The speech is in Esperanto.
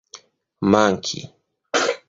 manki